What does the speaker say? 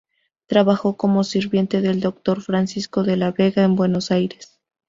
Trabajó como sirviente del doctor Francisco de la Vega, en Buenos Aires.